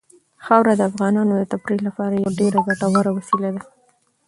خاوره د افغانانو د تفریح لپاره یوه ډېره ګټوره وسیله ده.